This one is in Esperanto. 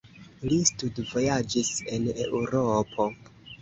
Li studvojaĝis en Eŭropo.